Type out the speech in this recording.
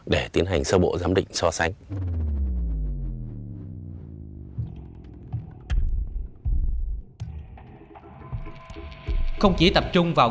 để tiến hành sơ bộ